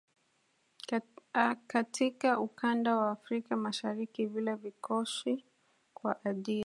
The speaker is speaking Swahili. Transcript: a katika ukanda wa afrika mashariki vile vikoshi kwa ajili